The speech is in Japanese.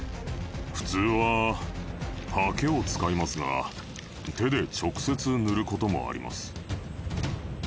普通ははけを使いますが手で直接塗ることもあります